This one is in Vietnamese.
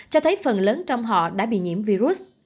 cho thấy phần lớn trong họ đã bị nhiễm virus